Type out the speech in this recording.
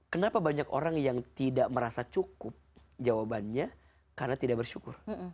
kenapa banyak orang yang tidak merasa cukup jawabannya karena tidak bersyukur